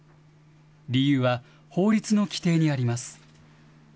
理由は法律の規定にあります。